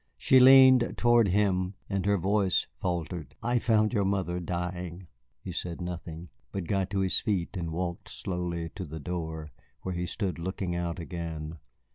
She leaned toward him and her voice faltered. "I found your mother dying." He said nothing, but got to his feet and walked slowly to the door, where he stood looking out again.